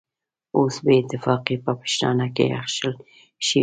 اوس بې اتفاقي په پښتانه کې اخښل شوې.